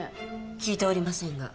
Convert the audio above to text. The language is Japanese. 聞いておりませんが。